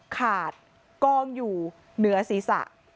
ขาดกองอยู่เหนือศีรษะ